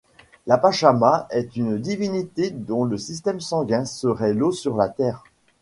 La pachama est une divinité dont le système sanguin serait l’eau sur la terre.